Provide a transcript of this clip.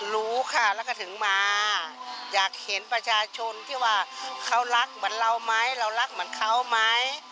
รู้ค่ะแล้วก็ถึงมาอยากเห็นประชาชนที่ว่าเขารักเหมือนเราไหมเรารักเหมือนเขาไหม